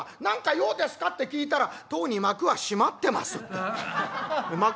『何か用ですか？』って聞いたら『とうに幕は閉まってます』って。